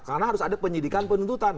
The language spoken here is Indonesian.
karena harus ada penyelidikan penuntutan